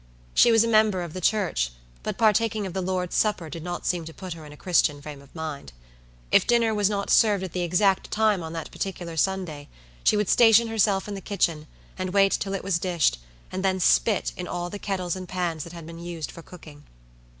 She was a member of the church; but partaking of the Lord's supper did not seem to put her in a Christian frame of mind. If dinner was not served at the exact time on that particular Sunday, she would station herself in the kitchen, and wait till it was dished, and then spit in all the kettles and pans that had been used for cooking.